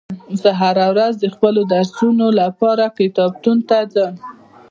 زه هره ورځ د خپلو درسونو لپاره کتابتون ته ځم